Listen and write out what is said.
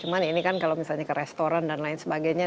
cuman ini kan kalau misalnya ke restoran dan lain sebagainya